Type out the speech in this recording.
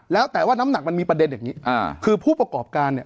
แล้วแต่ว่าน้ำหนักมันมีประเด็นอย่างงี้อ่าคือผู้ประกอบการเนี่ย